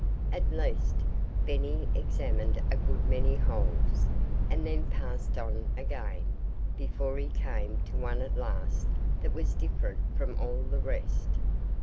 At least, Benny examined a good many holes, and then passed on again, before he came to one at last that was different from all the rest.